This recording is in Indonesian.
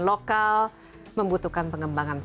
lokal membutuhkan pengembangan